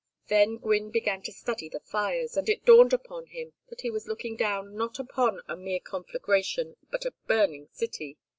Then Gwynne began to study the fires, and it dawned upon him that he was looking down not upon a mere conflagration but a burning city.